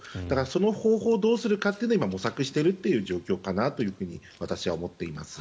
その方法をどうするかを今、模索している状況かなと私は思っています。